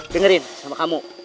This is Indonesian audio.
dengerin sama kamu